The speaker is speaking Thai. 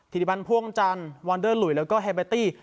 ธิริพันธ์พ่วงจันทร์วอนเดอร์หลุยแล้วก็แฮเบอร์ตี้